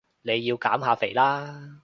你要減下肥啦